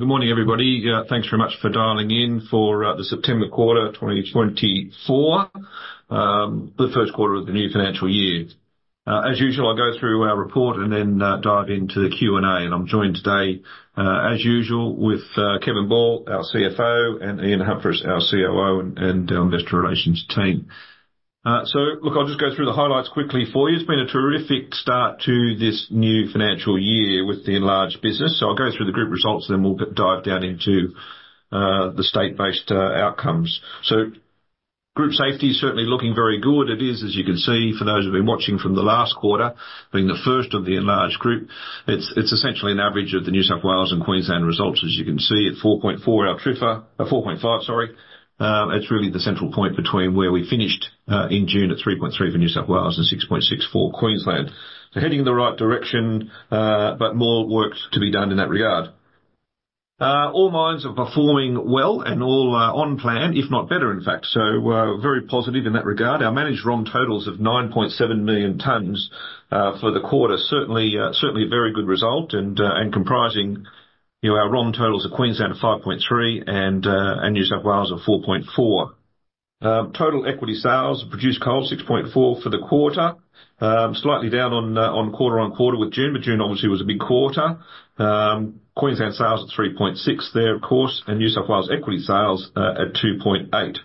Good morning, everybody. Thanks very much for dialing in for the September quarter, twenty twenty-four, the first quarter of the new financial year. As usual, I'll go through our report and then dive into the Q&A. And I'm joined today, as usual, with Kevin Ball, our CFO, and Ian Humphris, our COO, and our investor relations team. So look, I'll just go through the highlights quickly for you. It's been a terrific start to this new financial year with the enlarged business. So I'll go through the group results, then we'll dive down into the state-based outcomes. Group Safety is certainly looking very good. It is, as you can see, for those who've been watching from the last quarter, being the first of the enlarged group, it's essentially an average of the New South Wales and Queensland results, as you can see, at 4.4, our TRIFR. 4.5, sorry. It's really the central point between where we finished in June at 3.3 for New South Wales and 6.6 for Queensland. So, heading in the right direction, but more work to be done in that regard. All mines are performing well and all on plan, if not better, in fact, so very positive in that regard. Our managed ROM totals of 9.7 million tonnes for the quarter, certainly a very good result, and comprising, you know, our ROM totals of Queensland are 5.3 and New South Wales are 4.4. Total equity sales produced coal 6.4 for the quarter. Slightly down on quarter-on-quarter with June, but June obviously was a big quarter. Queensland sales at 3.6 there, of course, and New South Wales equity sales at 2.8.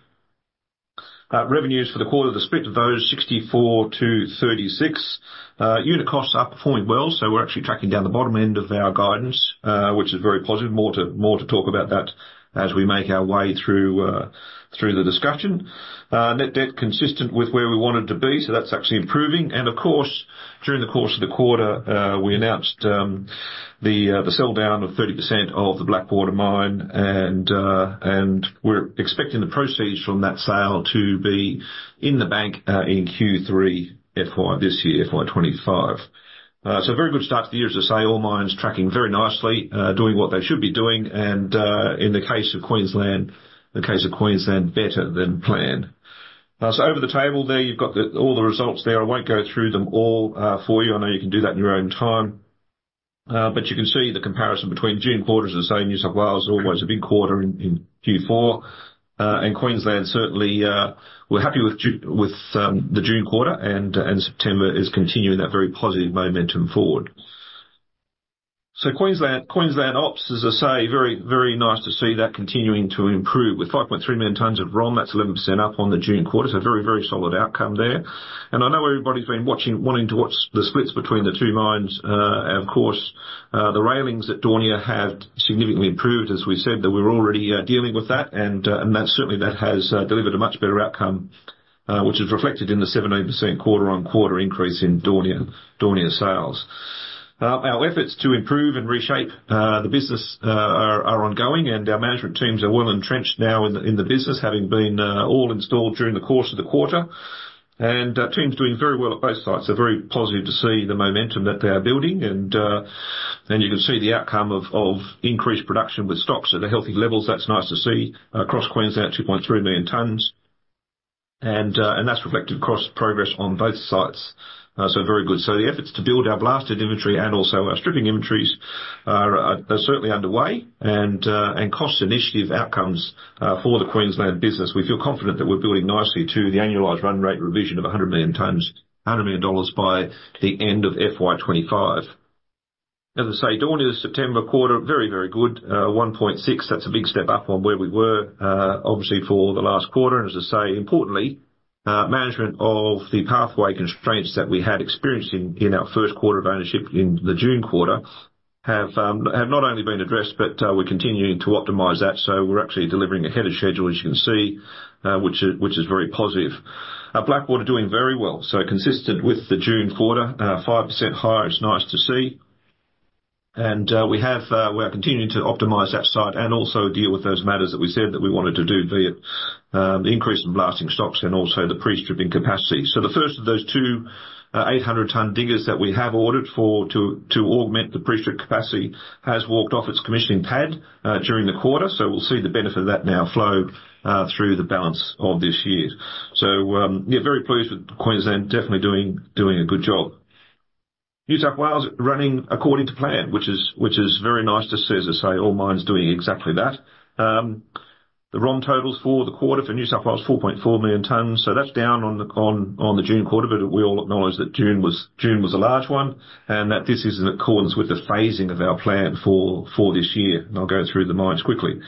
Revenues for the quarter, the split of those 64 to 36. Unit costs are performing well, so we're actually tracking down the bottom end of our guidance, which is very positive. More to talk about that as we make our way through the discussion. Net debt, consistent with where we wanted to be, so that's actually improving, and of course, during the course of the quarter, we announced the sell-down of 30% of the Blackwater Mine, and we're expecting the proceeds from that sale to be in the bank in Q3 FY 2025. So a very good start to the year, as I say, all mines tracking very nicely, doing what they should be doing, and in the case of Queensland, better than planned. Now, so over the table there, you've got all the results there. I won't go through them all for you. I know you can do that in your own time. But you can see the comparison between June quarters, as I say. New South Wales, always a big quarter in Q4. And Queensland, certainly, we're happy with the June quarter, and September is continuing that very positive momentum forward. So Queensland ops, as I say, very, very nice to see that continuing to improve. With 5.3 million tonnes of ROM, that's 11% up on the June quarter, so a very, very solid outcome there. And I know everybody's been wanting to watch the splits between the two mines. And of course, the railings at Daunia have significantly improved, as we said, that we're already dealing with that. And that certainly has delivered a much better outcome, which is reflected in the 17% quarter-on-quarter increase in Daunia sales. Our efforts to improve and reshape the business are ongoing, and our management teams are well entrenched now in the business, having been all installed during the course of the quarter. Teams are doing very well at both sites. Very positive to see the momentum that they are building. You can see the outcome of increased production with stocks at the healthy levels. That's nice to see. Across Queensland, 2.3 million tonnes. That's reflected across progress on both sites. Very good. The efforts to build our blasted inventory and also our stripping inventories are certainly underway. Cost initiative outcomes for the Queensland business, we feel confident that we're building nicely to the annualized run rate revision of 100 million tonnes, 100 million dollars by the end of FY 2025. As I say, Daunia, September quarter, very, very good. 1.6, that's a big step up on where we were, obviously for the last quarter. And as I say, importantly, management of the pathway constraints that we had experienced in our first quarter of ownership in the June quarter have not only been addressed, but we're continuing to optimize that, so we're actually delivering ahead of schedule, as you can see, which is very positive. Blackwater doing very well. Consistent with the June quarter, 5% higher, it's nice to see. We are continuing to optimize that site and also deal with those matters that we said that we wanted to do, via the increase in blasting stocks and also the pre-stripping capacity. The first of those two 800 tonne diggers that we have ordered to augment the pre-strip capacity has walked off its commissioning pad during the quarter. So yeah, very pleased with Queensland, definitely doing a good job. New South Wales running according to plan, which is very nice to see, as I say, all mines doing exactly that. The ROM totals for the quarter for New South Wales, 4.4 million tonnes. That's down on the June quarter, but we all acknowledge that June was a large one, and that this is in accordance with the phasing of our plan for this year. I'll go through the mines quickly.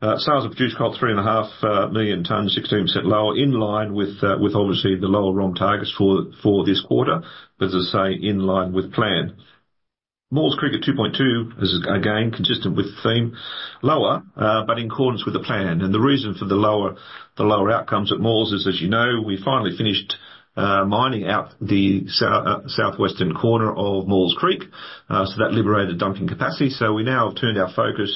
Sales of produced coal, three and a half million tonnes, 16% lower, in line with obviously the lower ROM targets for this quarter, but as I say, in line with plan. Maules Creek at 2.2, is again consistent with the theme. Lower, but in accordance with the plan. The reason for the lower outcomes at Maules is, as you know, we finally finished mining out the southwestern corner of Maules Creek. So that liberated dumping capacity. So we now have turned our focus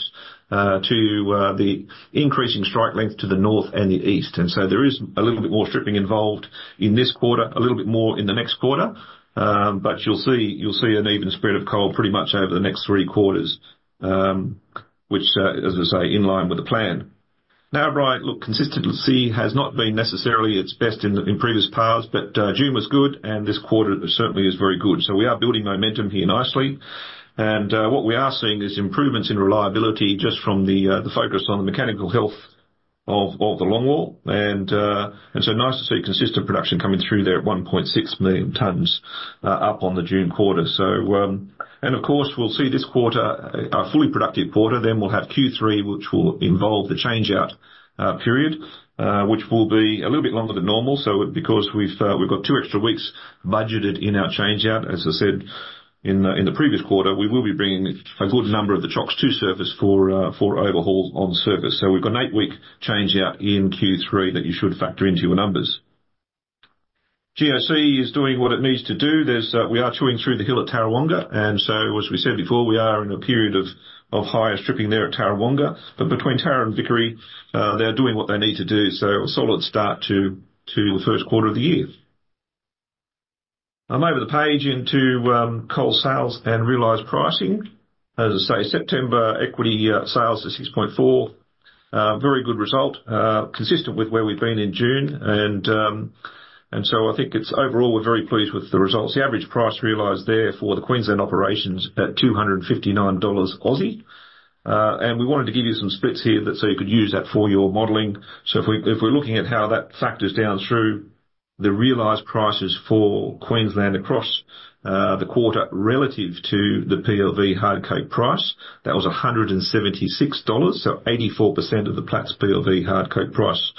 to the increasing strike length to the north and the east. And so there is a little bit more stripping involved in this quarter, a little bit more in the next quarter. But you'll see, you'll see an even spread of coal pretty much over the next three quarters, which, as I say, in line with the plan. Now, right, look, consistency has not been necessarily its best in previous paths, but June was good, and this quarter certainly is very good. So we are building momentum here nicely. And what we are seeing is improvements in reliability just from the focus on the mechanical health of the longwall. And so nice to see consistent production coming through there at 1.6 million tons, up on the June quarter. So, and of course, we'll see this quarter, a fully productive quarter. Then we'll have Q3, which will involve the change-out period, which will be a little bit longer than normal. So because we've got two extra weeks budgeted in our change-out, as I said in the previous quarter, we will be bringing a good number of the chocks to surface for overhaul on surface. So we've got an eight-week change-out in Q3 that you should factor into your numbers. GOC is doing what it needs to do. We are chewing through the hill at Tarawonga, and so, as we said before, we are in a period of higher stripping there at Tarawonga. Between Tara and Vickery, they're doing what they need to do, so a solid start to the first quarter of the year. I'm over the page into coal sales and realized pricing. As I say, September quarter sales are 6.4. Very good result, consistent with where we've been in June. And so I think it's overall, we're very pleased with the results. The average price realized there for the Queensland operations at 259 Aussie dollars. And we wanted to give you some splits here, so that you could use that for your modeling. If we're looking at how that factors down through the realized prices for Queensland across the quarter relative to the PLV hard coking price, that was $176, so 84% of the Platts PLV hard coking price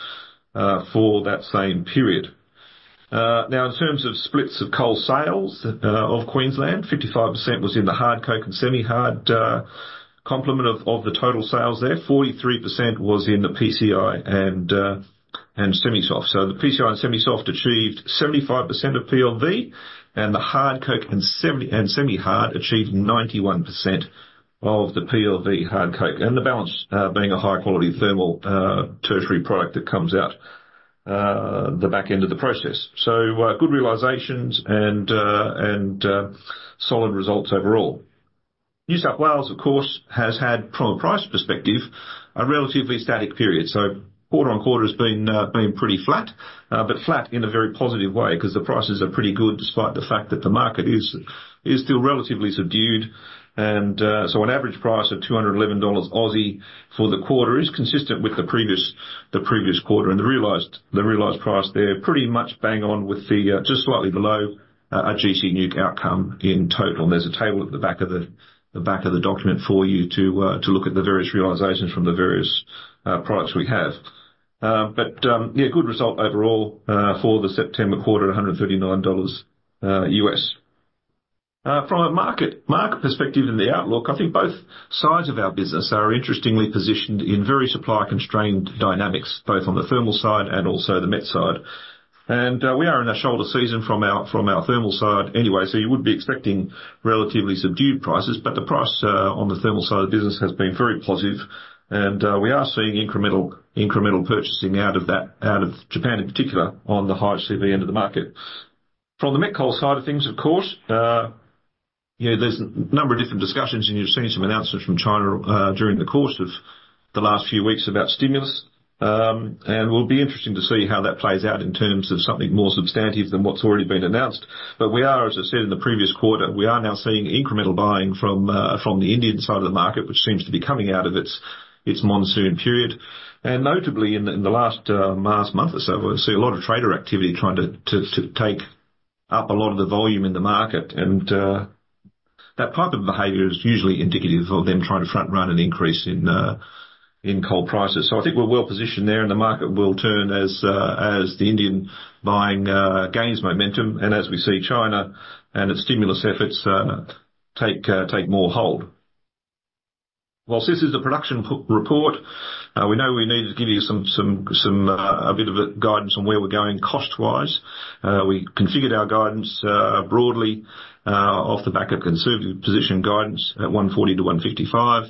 for that same period. Now, in terms of splits of coal sales of Queensland, 55% was in the hard coking and semi-hard component of the total sales there. 43% was in the PCI and semi-soft. So the PCI and semi-soft achieved 75% of PLV, and the hard coking and semi-hard achieved 91% of the PLV hard coking, and the balance being a high-quality thermal tertiary product that comes out the back end of the process. Good realizations and solid results overall. New South Wales, of course, has had, from a price perspective, a relatively static period, so quarter on quarter has been, been pretty flat, but flat in a very positive way because the prices are pretty good, despite the fact that the market is, is still relatively subdued, and so an average price of 211 Aussie dollars for the quarter is consistent with the previous, the previous quarter, and the realized, the realized price there, pretty much bang on with the, just slightly below our GC NEWC outcome in total. There's a table at the back of the, the back of the document for you to, to look at the various realizations from the various, products we have, but yeah, good result overall, for the September quarter, $139. From a market perspective in the outlook, I think both sides of our business are interestingly positioned in very supply-constrained dynamics, both on the thermal side and also the met side, and we are in a shoulder season from our thermal side anyway, so you would be expecting relatively subdued prices, but the price on the thermal side of the business has been very positive, and we are seeing incremental purchasing out of that, out of Japan in particular, on the high CV end of the market. From the met coal side of things, of course, you know, there's a number of different discussions, and you've seen some announcements from China during the course of the last few weeks about stimulus. And it will be interesting to see how that plays out in terms of something more substantive than what's already been announced. But we are, as I said, in the previous quarter, we are now seeing incremental buying from the Indian side of the market, which seems to be coming out of its monsoon period. And in the last month or so, we've seen a lot of trader activity trying to take up a lot of the volume in the market. And that type of behavior is usually indicative of them trying to front-run an increase in coal prices. So I think we're well positioned there, and the market will turn as the Indian buying gains momentum and as we see China and its stimulus efforts take more hold. While this is a production report, we know we need to give you a bit of a guidance on where we're going cost-wise. We configured our guidance broadly off the back of conservative position guidance at 140-155,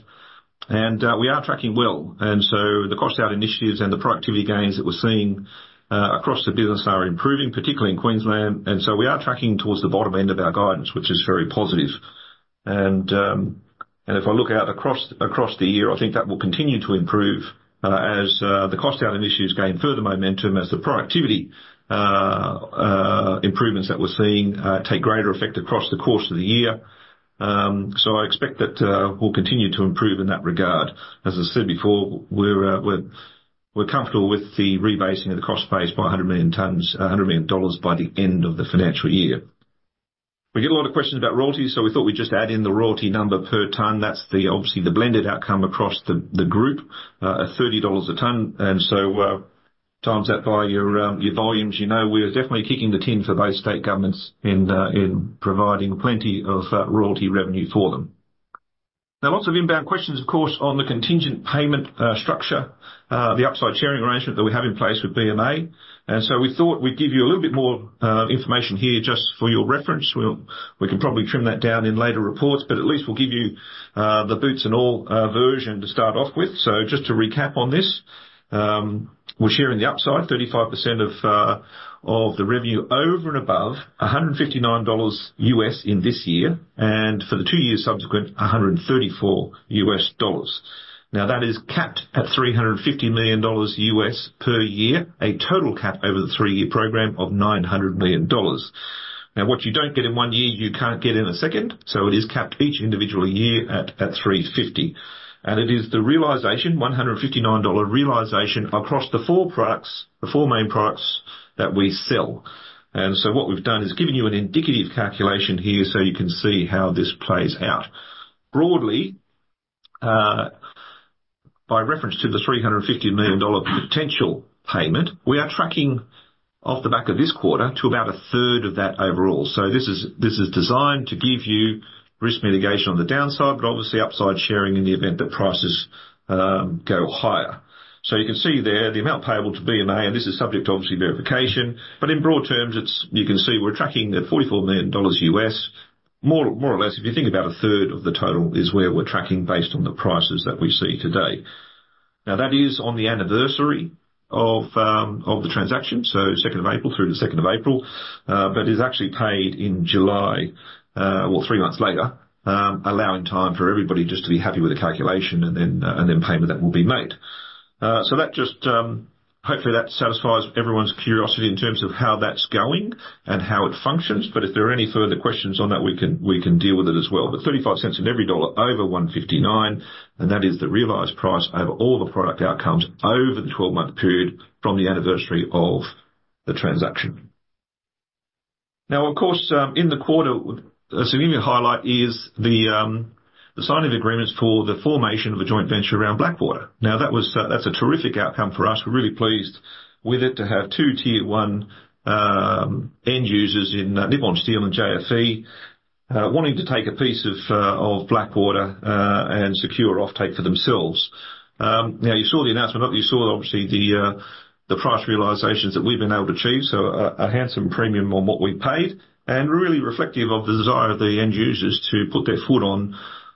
and we are tracking well. The cost out initiatives and the productivity gains that we're seeing across the business are improving, particularly in Queensland. We are tracking towards the bottom end of our guidance, which is very positive. If I look out across the year, I think that will continue to improve as the cost out initiatives gain further momentum as the productivity improvements that we're seeing take greater effect across the course of the year. So I expect that we'll continue to improve in that regard. As I said before, we're comfortable with the rebasing of the cost base by 100 million by the end of the financial year. We get a lot of questions about royalties, so we thought we'd just add in the royalty number per ton. That's obviously the blended outcome across the group at 30 dollars a ton. So times that by your volumes, you know we're definitely kicking the tin for both state governments in providing plenty of royalty revenue for them. Now, lots of inbound questions, of course, on the contingent payment structure, the upside sharing arrangement that we have in place with BMA. And so we thought we'd give you a little bit more information here just for your reference. We can probably trim that down in later reports, but at least we'll give you the boots and all version to start off with. So just to recap on this, we're sharing the upside, 35% of the revenue over and above $159 US in this year, and for the two years subsequent, $134 US. Now, that is capped at $350 million US per year, a total cap over the three-year program of $900 million. Now, what you don't get in one year, you can't get in a second, so it is capped each individual year at $350. And it is the realization, $159 realization, across the four products, the four main products that we sell. And so what we've done is given you an indicative calculation here, so you can see how this plays out. Broadly, by reference to the $350 million potential payment, we are tracking off the back of this quarter to about a third of that overall. So this is designed to give you risk mitigation on the downside, but obviously upside sharing in the event that prices go higher. So you can see there the amount payable to BMA, and this is subject to, obviously, verification. But in broad terms, it's. You can see we're tracking at $44 million. More or less, if you think about a third of the total is where we're tracking based on the prices that we see today. Now, that is on the anniversary of the transaction, so second of April through the second of April, but is actually paid in July, or three months later, allowing time for everybody just to be happy with the calculation and then payment that will be made. So that just hopefully satisfies everyone's curiosity in terms of how that's going and how it functions. But if there are any further questions on that, we can deal with it as well. But 35 cents of every dollar over $1.59, and that is the realized price over all the product outcomes over the twelve-month period from the anniversary of the transaction. Now, of course, in the quarter, a significant highlight is the signing of agreements for the formation of a joint venture around Blackwater. Now, that was, that's a terrific outcome for us. We're really pleased with it, to have two Tier One end users in Nippon Steel and JFE wanting to take a piece of Blackwater and secure offtake for themselves. Now, you saw the announcement, but you saw obviously the price realizations that we've been able to achieve, so a handsome premium on what we paid, and really reflective of the desire of the end users to put their foot on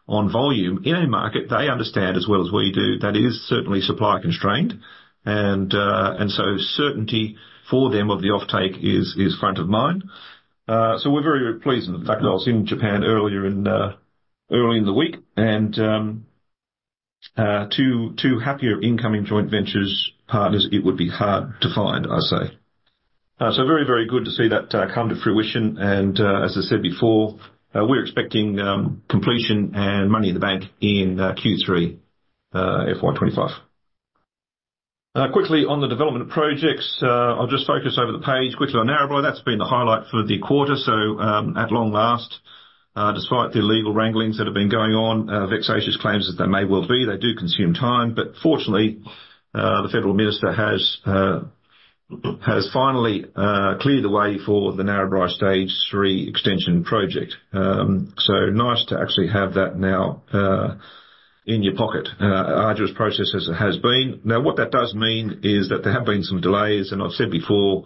volume in a market they understand as well as we do, that is certainly supply constrained. And so certainty for them of the offtake is front of mind. So we're very pleased. In fact, I was in Japan earlier in the week, and two happier incoming joint ventures partners, it would be hard to find, I say. So very, very good to see that come to fruition. And as I said before, we're expecting completion and money in the bank in Q3 FY 2025. Quickly on the development projects, I'll just focus over the page quickly on Narrabri. That's been the highlight for the quarter, so at long last, despite the legal wranglings that have been going on, vexatious claims as they may well be, they do consume time. But fortunately, the federal minister has finally cleared the way for the Narrabri Stage 3 extension project. So nice to actually have that now in your pocket. Arduous process as it has been. Now, what that does mean is that there have been some delays, and I've said before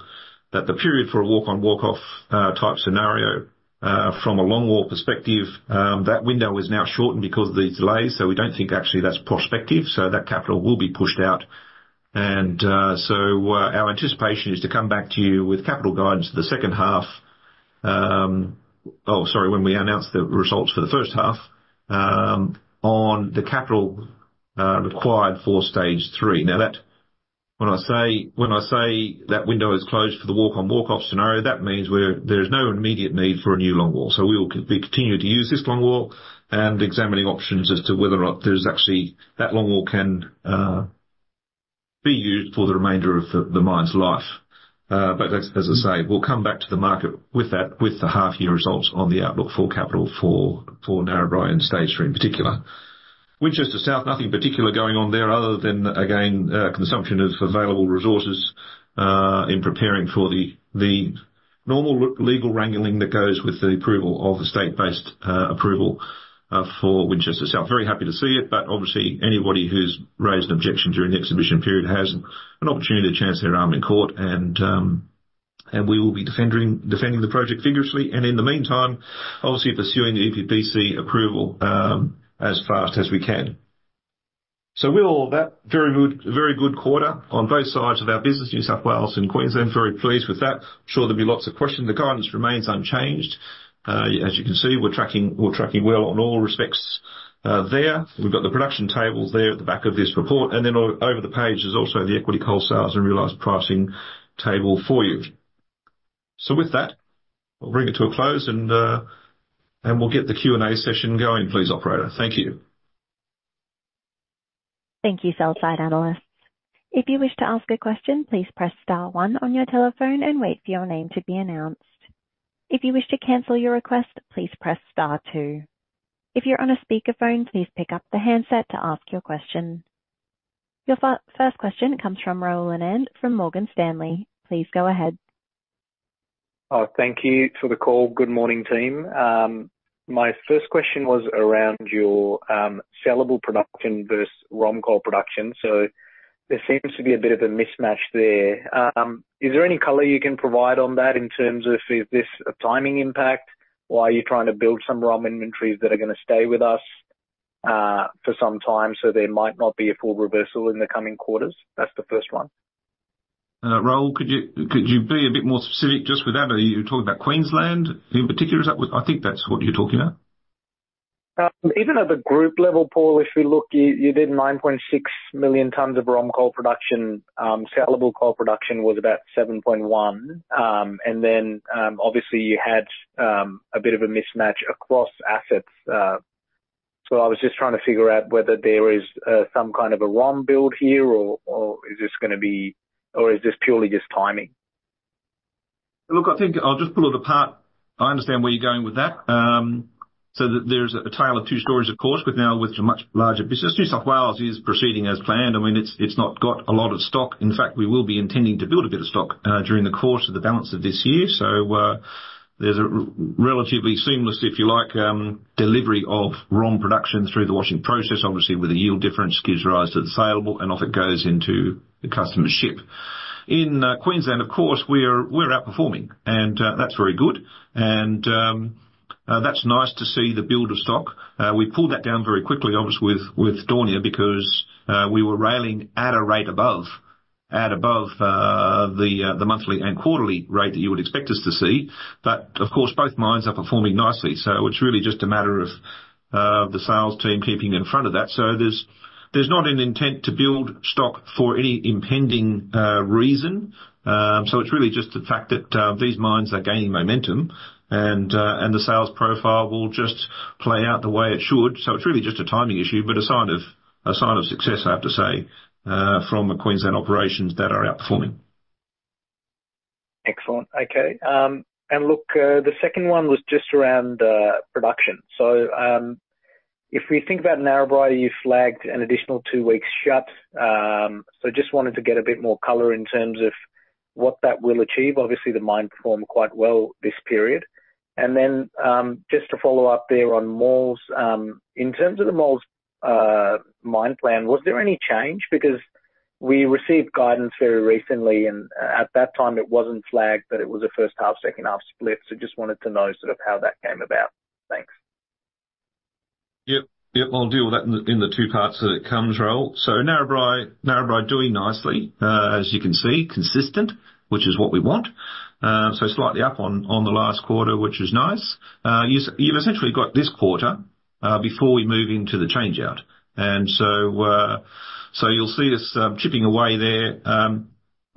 that the period for a walk-on, walk-off type scenario from a longwall perspective, that window is now shortened because of the delays, so we don't think actually that's prospective, so that capital will be pushed out. So, our anticipation is to come back to you with capital guidance the second half. Oh, sorry, when we announce the results for the first half on the capital required for Stage Three. Now, that when I say that window is closed for the walk-on, walk-off scenario, that means there's no immediate need for a new longwall. We continue to use this longwall and examining options as to whether or not there's actually that longwall can be used for the remainder of the mine's life. But as I say, we'll come back to the market with that with the half year results on the outlook for capital for Narrabri and Stage Three in particular. Winchester South, nothing particular going on there other than again consumption of available resources in preparing for the normal legal wrangling that goes with the approval of the state-based approval for Winchester South. Very happy to see it, but obviously anybody who's raised an objection during the exhibition period has an opportunity to chance their arm in court, and we will be defending the project vigorously. In the meantime, obviously pursuing the EPBC approval as fast as we can. We're all that, very good, very good quarter on both sides of our business, New South Wales and Queensland. Very pleased with that. I'm sure there'll be lots of questions. The guidance remains unchanged. As you can see, we're tracking, we're tracking well on all respects there. We've got the production table there at the back of this report, and then over the page is also the equity coal sales and realized pricing table for you. With that, I'll bring it to a close, and we'll get the Q&A session going, please, operator. Thank you. Thank you, sell-side analysts. If you wish to ask a question, please press star one on your telephone and wait for your name to be announced. If you wish to cancel your request, please press star two. If you're on a speakerphone, please pick up the handset to ask your question. Your first question comes from Rahul Anand from Morgan Stanley. Please go ahead. Oh, thank you for the call. Good morning, team. My first question was around your saleable production versus ROM coal production. So, there seems to be a bit of a mismatch there. Is there any color you can provide on that in terms of, is this a timing impact, or are you trying to build some ROM inventories that are gonna stay with us for some time, so there might not be a full reversal in the coming quarters? That's the first one. Rahul, could you be a bit more specific just with that? Are you talking about Queensland in particular? Is that what? I think that's what you're talking about. Even at the group level, Paul, if you look, you did 9.6 million tons of ROM coal production. Sellable coal production was about 7.1, and then obviously you had a bit of a mismatch across assets, so I was just trying to figure out whether there is some kind of a ROM build here, or is this purely just timing? Look, I think I'll just pull it apart. I understand where you're going with that. So there's a tale of two stories, of course, with now a much larger business. New South Wales is proceeding as planned. I mean, it's not got a lot of stock. In fact, we will be intending to build a bit of stock during the course of the balance of this year. So there's a relatively seamless, if you like, delivery of ROM production through the washing process. Obviously, with the yield difference, gives rise to the sellable, and off it goes into the customer's ship. In Queensland, of course, we're outperforming, and that's very good, and that's nice to see the build of stock. We pulled that down very quickly, obviously with Daunia, because we were railing at a rate above the monthly and quarterly rate that you would expect us to see. But, of course, both mines are performing nicely, so it's really just a matter of the sales team keeping in front of that. So, there's not an intent to build stock for any impending reason. So, it's really just the fact that these mines are gaining momentum, and the sales profile will just play out the way it should. So, it's really just a timing issue, but a sign of success, I have to say, from the Queensland operations that are outperforming. Excellent. Okay. And look, the second one was just around production. So, if we think about Narrabri, you flagged an additional two weeks shut. So just wanted to get a bit more color in terms of what that will achieve. Obviously, the mine performed quite well this period. And then, just to follow up there on Maules, in terms of the Maules Mine Plan, was there any change? Because we received guidance very recently, and at that time, it wasn't flagged, but it was a first half, second half split, so just wanted to know sort of how that came about. Thanks. Yep. Yep, I'll deal with that in the two parts that it comes, Rahul. So Narrabri doing nicely, as you can see, consistent, which is what we want. So slightly up on the last quarter, which is nice. You've essentially got this quarter before we move into the changeout. And so you'll see us chipping away there.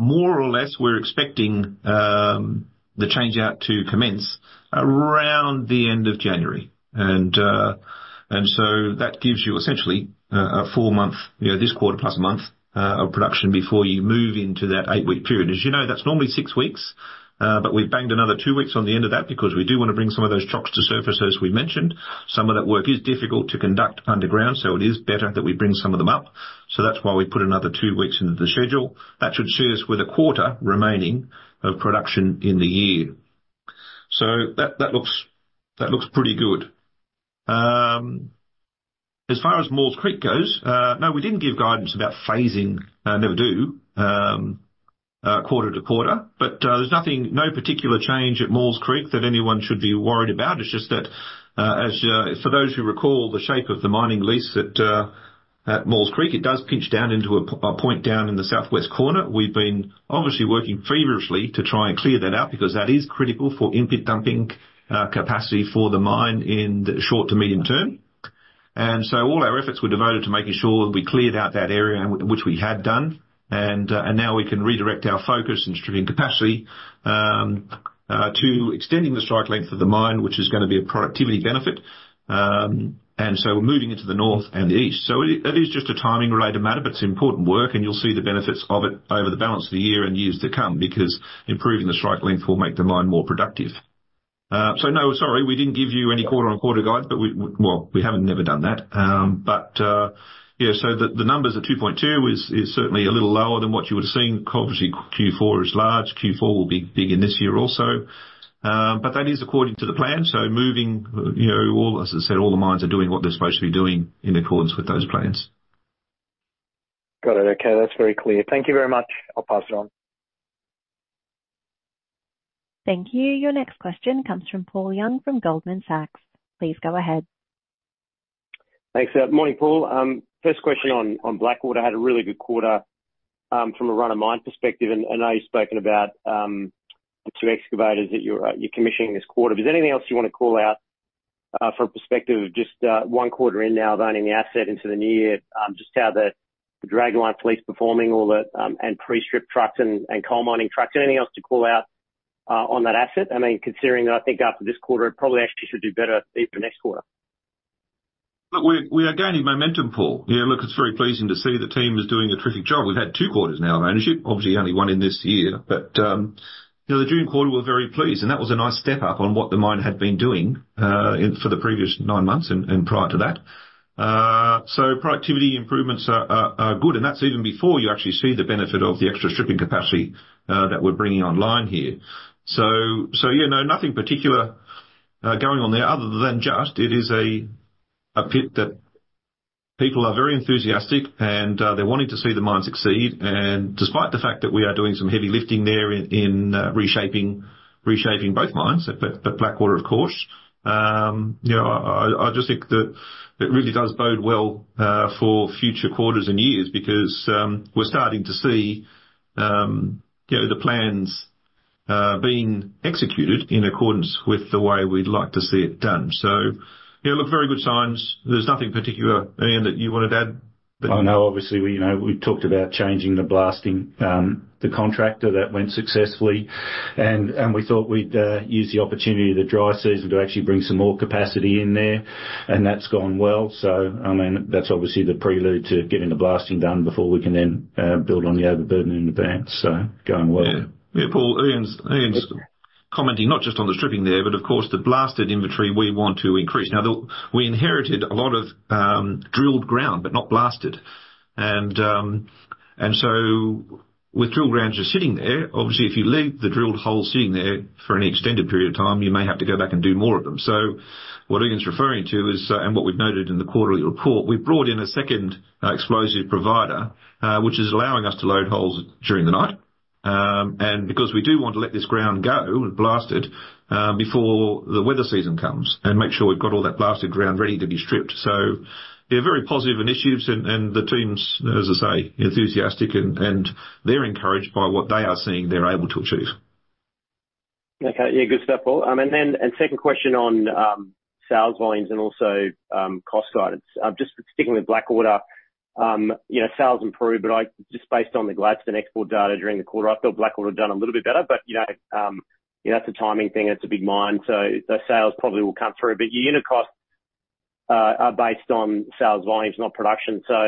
More or less, we're expecting the changeout to commence around the end of January. And so that gives you essentially a four-month, you know, this quarter plus a month of production before you move into that eight-week period. As you know, that's normally six weeks, but we've banged another two weeks on the end of that because we do wanna bring some of those chocks to surface, as we mentioned. Some of that work is difficult to conduct underground, so it is better that we bring some of them up. So that's why we put another two weeks into the schedule. That should see us with a quarter remaining of production in the year. So that looks pretty good. As far as Maules Creek goes, no, we didn't give guidance about phasing, never do, quarter to quarter. But there's nothing, no particular change at Maules Creek that anyone should be worried about. It's just that, as for those who recall the shape of the mining lease at Maules Creek, it does pinch down into a point down in the southwest corner. We've been obviously working feverishly to try and clear that out because that is critical for in-pit dumping capacity for the mine in the short to medium term, and so all our efforts were devoted to making sure we cleared out that area, which we had done, and now we can redirect our focus and stripping capacity to extending the strike length of the mine, which is gonna be a productivity benefit, and so we're moving into the north and the east, so that is just a timing-related matter, but it's important work, and you'll see the benefits of it over the balance of the year and years to come, because improving the strike length will make the mine more productive, so no, sorry, we didn't give you any quarter-on-quarter guide, but well, we haven't never done that. But yeah, so the numbers at 2.2 is certainly a little lower than what you would have seen. Obviously, Q4 is large. Q4 will be big in this year also. But that is according to the plan. So moving, you know, all... as I said, all the mines are doing what they're supposed to be doing in accordance with those plans. Got it. Okay, that's very clear. Thank you very much. I'll pass it on. Thank you. Your next question comes from Paul Young, from Goldman Sachs. Please go ahead. Thanks. Morning, Paul. First question on Blackwater. Had a really good quarter from a run-of-mine perspective, and I know you've spoken about the two excavators that you're commissioning this quarter. Is there anything else you want to call out from a perspective of just one quarter in now of owning the asset into the new year, just how the dragline fleet's performing, all the pre-strip trucks and coal mining trucks? Anything else to call out on that asset? I mean, considering that I think after this quarter, it probably actually should do better even next quarter. Look, we are gaining momentum, Paul. Yeah, look, it's very pleasing to see the team is doing a terrific job. We've had two quarters now of ownership. Obviously, only one in this year, but you know, the June quarter, we're very pleased, and that was a nice step up on what the mine had been doing in for the previous nine months and prior to that, so productivity improvements are good, and that's even before you actually see the benefit of the extra stripping capacity that we're bringing online here, so yeah, no, nothing particular going on there other than just it is a pit that people are very enthusiastic, and they're wanting to see the mine succeed. Despite the fact that we are doing some heavy lifting there in reshaping both mines, but Blackwater, of course, you know, I just think that it really does bode well for future quarters and years because we're starting to see you know, the plans being executed in accordance with the way we'd like to see it done. Yeah, look, very good signs. There's nothing particular, Ian, that you wanted to add? I know, obviously, we, you know, we talked about changing the blasting, the contractor that went successfully. And we thought we'd use the opportunity of the dry season to actually bring some more capacity in there, and that's gone well. So, I mean, that's obviously the prelude to getting the blasting done before we can then build on the overburden in advance. So going well. Yeah. Yeah, Paul, Ian's commenting not just on the stripping there, but of course, the blasted inventory we want to increase. Now, we inherited a lot of drilled ground, but not blasted. And so with drilled grounds just sitting there, obviously, if you leave the drilled hole sitting there for any extended period of time, you may have to go back and do more of them. So what Ian's referring to is, and what we've noted in the quarterly report, we've brought in a second explosive provider, which is allowing us to load holes during the night. And because we do want to let this ground go and blast it, before the weather season comes and make sure we've got all that blasted ground ready to be stripped. So they're very positive initiatives, and the team's, as I say, enthusiastic and they're encouraged by what they are seeing they're able to achieve. Okay. Yeah, good stuff, Paul. Second question on sales volumes and also cost guidance. Just sticking with Blackwater, you know, sales improved, but just based on the Gladstone export data during the quarter, I feel Blackwater done a little bit better, but, you know, yeah, that's a timing thing, it's a big mine, so the sales probably will come through. But your unit costs are based on sales volumes, not production. So,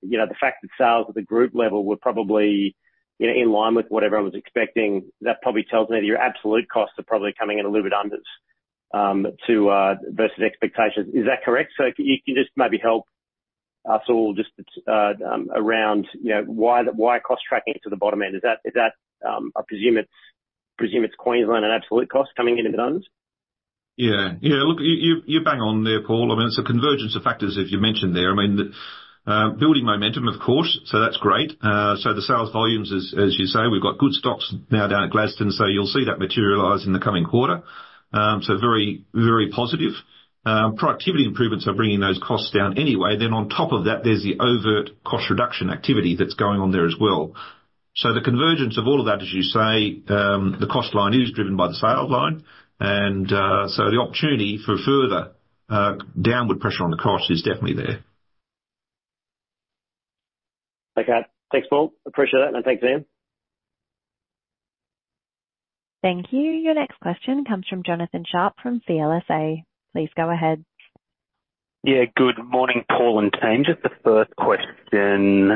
you know, the fact that sales at the group level were probably, you know, in line with what everyone was expecting, that probably tells me that your absolute costs are probably coming in a little bit under, too, versus expectations. Is that correct? So if you can just maybe help us all just around, you know, why the cost tracking to the bottom end. Is that? I presume it's Queensland and absolute cost coming in a bit under. Yeah. Yeah, look, you're bang on there, Paul. I mean, it's a convergence of factors, as you mentioned there. I mean, the building momentum, of course, so that's great. So the sales volumes, as you say, we've got good stocks now down at Gladstone, so you'll see that materialize in the coming quarter. So very, very positive. Productivity improvements are bringing those costs down anyway. Then on top of that, there's the overt cost reduction activity that's going on there as well. So the convergence of all of that, as you say, the cost line is driven by the sales line, and so the opportunity for further downward pressure on the cost is definitely there. Okay. Thanks, Paul. I appreciate that, and thanks, Ian. Thank you. Your next question comes from Jonathan Sharp from CLSA. Please go ahead. Yeah, good morning, Paul and team. Just the first question,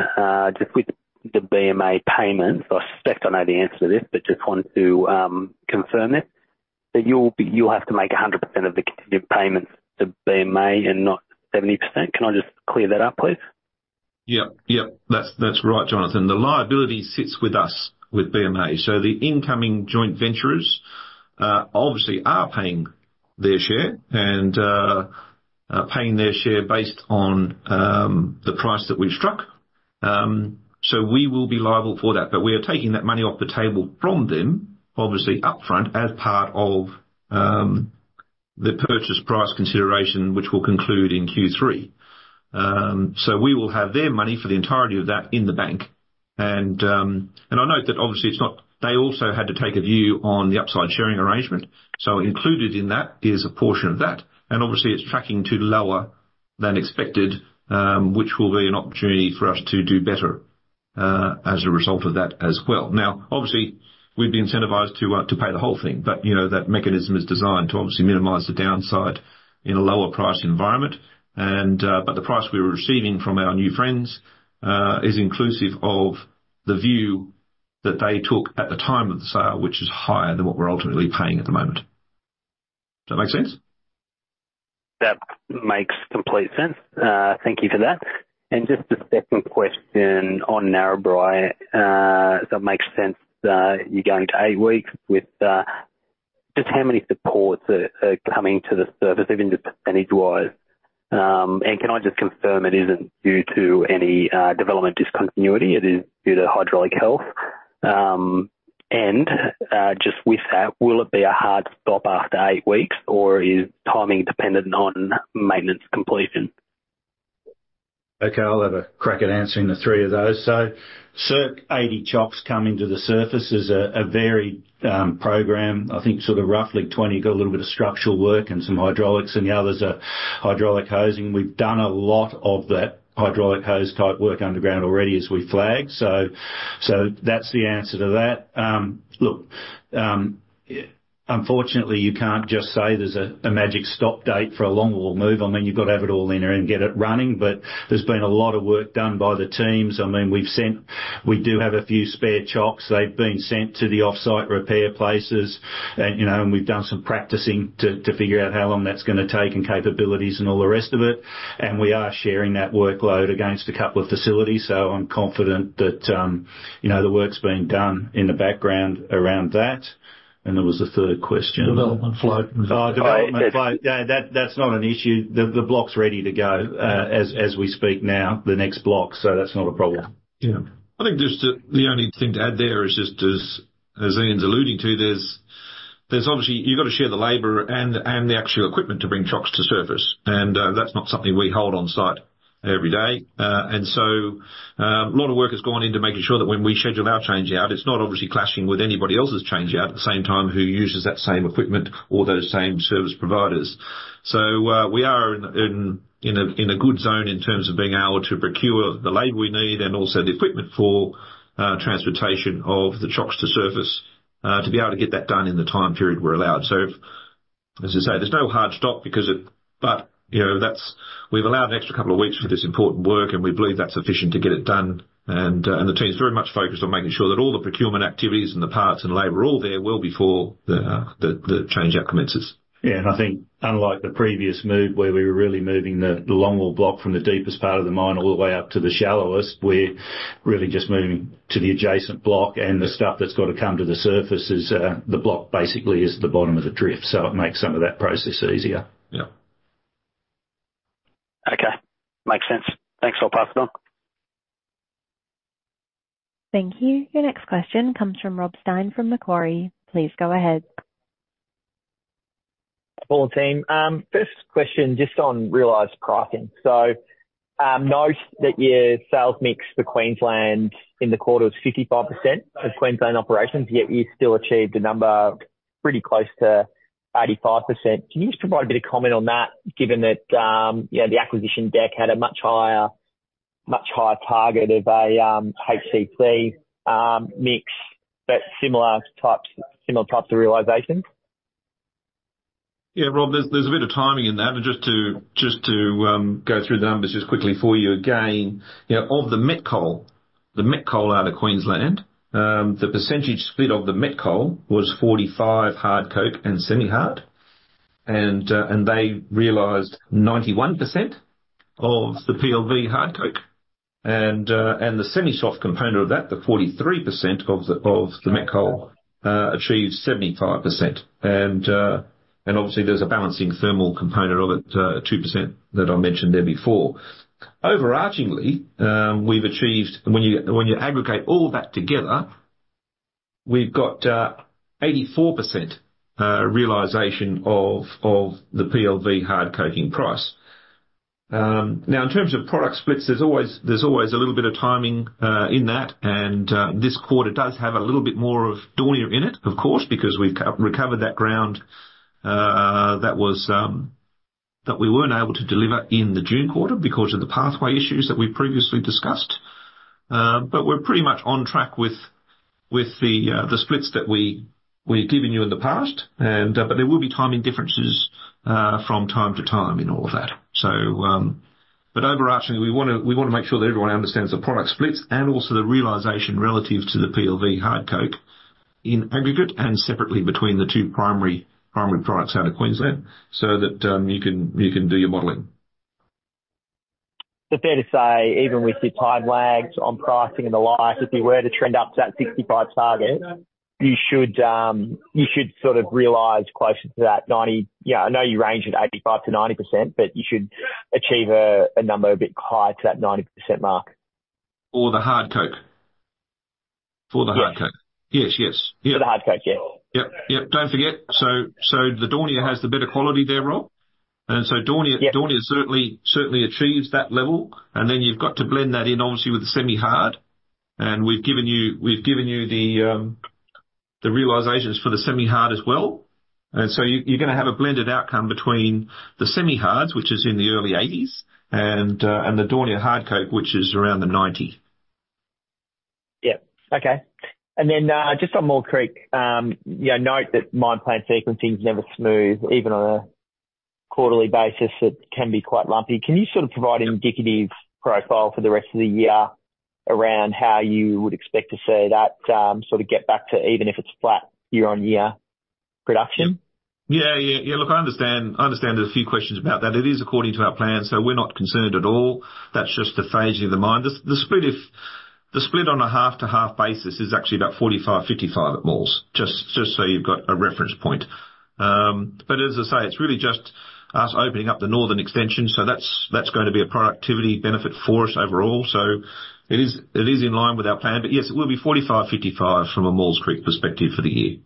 just with the BMA payments, I suspect I know the answer to this, but just want to confirm it. That you'll have to make 100% of the continued payments to BMA and not 70%. Can I just clear that up, please? Yep, yep. That's, that's right, Jonathan. The liability sits with us, with BMA. So the incoming joint venturers obviously are paying their share and paying their share based on the price that we've struck. So we will be liable for that. But we are taking that money off the table from them, obviously upfront, as part of the purchase price consideration, which will conclude in Q3. So we will have their money for the entirety of that in the bank. And I note that obviously it's not. They also had to take a view on the upside sharing arrangement. So included in that is a portion of that, and obviously, it's tracking to lower than expected, which will be an opportunity for us to do better as a result of that as well. Now, obviously, we'd be incentivized to pay the whole thing, but, you know, that mechanism is designed to obviously minimize the downside in a lower price environment. And, but the price we're receiving from our new friends is inclusive of the view that they took at the time of the sale, which is higher than what we're ultimately paying at the moment. Does that make sense? That makes complete sense. Thank you for that. And just a second question on Narrabri. That makes sense that you're going to eight weeks with just how many supports are coming to the surface, even just percentage-wise? And can I just confirm it isn't due to any development discontinuity, it is due to hydraulic health? And just with that, will it be a hard stop after eight weeks, or is timing dependent on maintenance completion? Okay, I'll have a crack at answering the three of those. So circa eighty chocks coming to the surface is a very program. I think sort of roughly twenty got a little bit of structural work and some hydraulics, and the others are hydraulic hosing. We've done a lot of that hydraulic hose type work underground already as we flagged. So that's the answer to that. Look, unfortunately, you can't just say there's a magic stop date for a longwall move. I mean, you've got to have it all in there and get it running, but there's been a lot of work done by the teams. I mean, we do have a few spare chocks. They've been sent to the off-site repair places and, you know, and we've done some practicing to figure out how long that's gonna take and capabilities and all the rest of it. And we are sharing that workload against a couple of facilities, so I'm confident that, you know, the work's being done in the background around that. And there was a third question. Development float. Oh, development float. Yeah, that's not an issue. The block's ready to go, as we speak now, the next block. So that's not a problem. Yeah. I think just the only thing to add there is just as Ian's alluding to, there's obviously you've got to share the labor and the actual equipment to bring trucks to surface, and that's not something we hold on site every day. And so, a lot of work has gone into making sure that when we schedule our change out, it's not obviously clashing with anybody else's change out at the same time, who uses that same equipment or those same service providers. So, we are in a good zone in terms of being able to procure the labor we need and also the equipment for transportation of the trucks to surface, to be able to get that done in the time period we're allowed. So as I say, there's no hard stop but, you know, that's. We've allowed an extra couple of weeks for this important work, and we believe that's sufficient to get it done. And the team is very much focused on making sure that all the procurement activities and the parts and labor are all there well before the change-out commences. Yeah, and I think unlike the previous move, where we were really moving the Longwall block from the deepest part of the mine all the way up to the shallowest, we're really just moving to the adjacent block, and the stuff that's got to come to the surface is, the block basically is the bottom of the drift, so it makes some of that process easier. Yeah. Okay. Makes sense. Thanks. I'll pass it on. Thank you. Your next question comes from Rob Stein, from Macquarie. Please go ahead. Hello, team. First question, just on realized pricing. So, note that your sales mix for Queensland in the quarter was 55% of Queensland operations, yet you still achieved a number pretty close to 85%. Can you just provide a bit of comment on that, given that, you know, the acquisition deck had a much higher, much higher target of a HCC mix, but similar types of realization? Yeah, Rob, there's a bit of timing in that. Just to go through the numbers just quickly for you again. You know, of the met coal out of Queensland, the percentage split of the met coal was 45% hard coking and semi-hard, and they realized 91% of the PLV hard coking. And the semi-soft component of that, the 43% of the met coal, achieved 75%. And obviously there's a balancing thermal component of it, 2% that I mentioned there before. Overarchingly, we've achieved, when you aggregate all that together, we've got 84% realization of the PLV hard coking price. Now, in terms of product splits, there's always, there's always a little bit of timing in that, and this quarter does have a little bit more of Daunia in it, of course, because we've recovered that ground that we weren't able to deliver in the June quarter because of the pathway issues that we previously discussed. But we're pretty much on track with the splits that we've given you in the past. But there will be timing differences from time to time in all of that. But overarchingly, we wanna make sure that everyone understands the product splits and also the realization relative to the Platts PLV hard coking coal in aggregate and separately between the two primary products out of Queensland, so that you can do your modeling. Fair to say, even with the time lags on pricing and the like, if you were to trend up to that 65 target, you should sort of realize closer to that 90... Yeah, I know you range at 85%-90%, but you should achieve a number a bit higher to that 90% mark. For the hard coking coal? For the hard coking coal. Yes. Yes, yes. For the hard coke, yeah. Yep, yep. Don't forget, so the Daunia has the better quality there, Rob. And so Daunia- Yeah. Daunia certainly, certainly achieves that level. And then you've got to blend that in, obviously, with the semi-hard. And we've given you the realizations for the semi-hard as well. And so you, you're gonna have a blended outcome between the semi-hards, which is in the early eighties, and the Daunia hard coke, which is around the ninety. Yeah. Okay. And then, just on Maules Creek, you know, note that mine plan sequencing is never smooth. Even on a quarterly basis, it can be quite lumpy. Can you sort of provide indicative profile for the rest of the year around how you would expect to see that, sort of get back to even if it's flat year-on-year production? Yeah, yeah, yeah. Look, I understand, I understand there's a few questions about that. It is according to our plan, so we're not concerned at all. That's just the phasing of the mine. The split on a half-to-half basis is actually about 45-55 at Maules, just, just so you've got a reference point. But as I say, it's really just us opening up the northern extension, so that's, that's going to be a productivity benefit for us overall. So it is, it is in line with our plan. But yes, it will be 45-55 from a Maules Creek perspective for the year.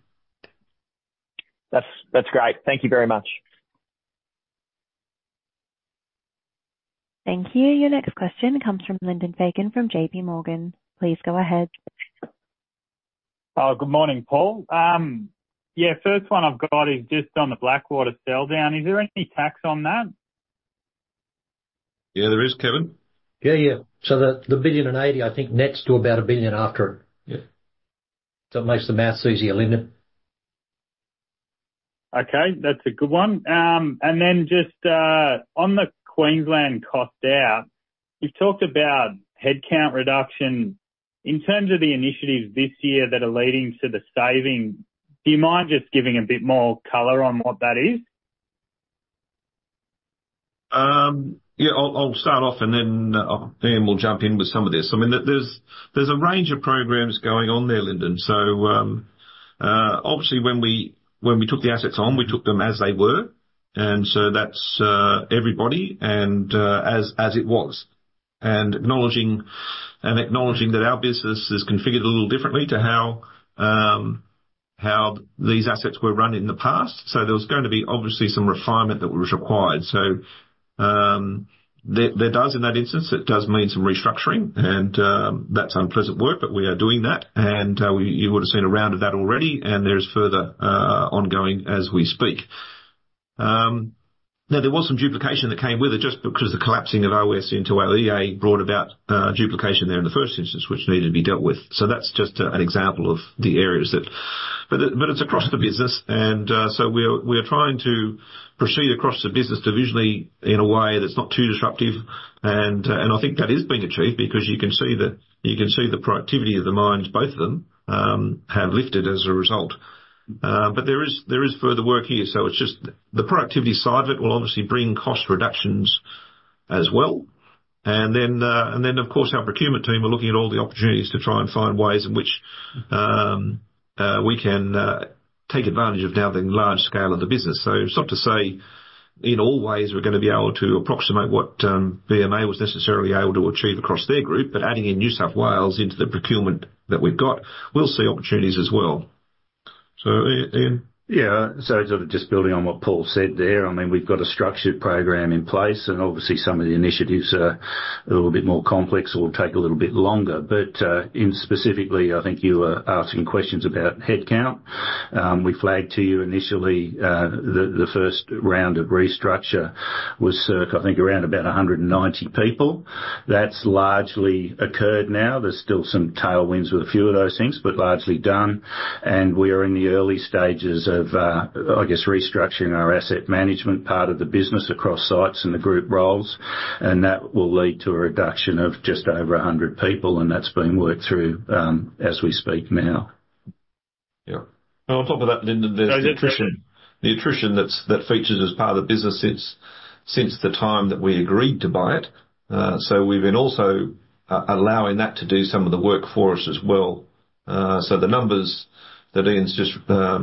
That's great. Thank you very much. Thank you. Your next question comes from Lyndon Fagan, from J.P. Morgan. Please go ahead. Good morning, Paul. Yeah, first one I've got is just on the Blackwater sell down. Is there any tax on that? Yeah, there is, Kevin. Yeah, yeah. So the billion and eighty, I think, nets to about a billion after it. Yeah. So it makes the math easier, Lyndon. Okay, that's a good one. And then just, on the Queensland cost out, you've talked about headcount reduction. In terms of the initiatives this year that are leading to the saving, do you mind just giving a bit more color on what that is? Yeah, I'll start off and then Ian will jump in with some of this. I mean, there's a range of programs going on there, Lyndon. So, obviously, when we took the assets on, we took them as they were, and so that's everybody and as it was and acknowledging that our business is configured a little differently to how these assets were run in the past. So, there was going to be obviously some refinement that was required. So, there does in that instance mean some restructuring, and that's unpleasant work, but we are doing that. You would have seen a round of that already, and there's further ongoing as we speak. Now, there was some duplication that came with it, just because the collapsing of OS into our EA brought about duplication there in the first instance, which needed to be dealt with. So that's just an example of the areas, but it's across the business. And I think that is being achieved because you can see the productivity of the mines, both of them, have lifted as a result. But there is further work here. So it's just the productivity side of it will obviously bring cost reductions as well. And then, of course, our procurement team are looking at all the opportunities to try and find ways in which we can take advantage of now the large scale of the business. So it's not to say in all ways we're gonna be able to approximate what BMA was necessarily able to achieve across their group, but adding in New South Wales into the procurement that we've got, we'll see opportunities as well. So, Ian? Yeah. So, sort of just building on what Paul said there, I mean, we've got a structured program in place, and obviously, some of the initiatives are a little bit more complex or will take a little bit longer. But in specifically, I think you were asking questions about headcount. We flagged to you initially the first round of restructure was, I think, around about a hundred and ninety people. That's largely occurred now. There's still some tailwinds with a few of those things, but largely done. And we are in the early stages of, I guess, restructuring our asset management part of the business across sites and the group roles, and that will lead to a reduction of just over a hundred people, and that's being worked through as we speak now. Yeah. And on top of that, then there's the attrition. The attrition that features as part of the business since the time that we agreed to buy it. So we've been also allowing that to do some of the work for us as well. So the numbers that Ian's just